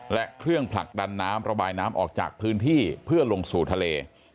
และเครื่องผลักดันน้ำระบายน้ำออกจากพื้นที่เพื่อลงสู่ทะเล